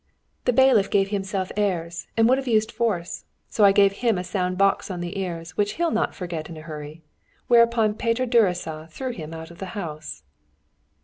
The bailiff gave himself airs, and would have used force, so I gave him a sound box on the ears, which he'll not forget in a hurry; whereupon Peter Gyuricza threw him out of the house.